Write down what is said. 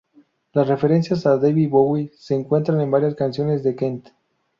Las referencias a David Bowie se encuentran en varias canciones de Kent.